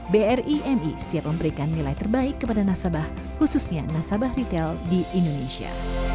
bri mi siap memberikan nilai terbaik kepada nasabah khususnya nasabah retail di indonesia